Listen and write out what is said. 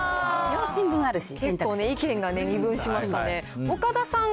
結構意見が二分しましたね。